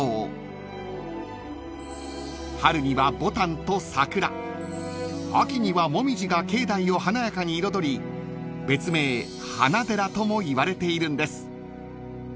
［春にはボタンと桜秋には紅葉が境内を華やかに彩り別名花寺ともいわれているんです］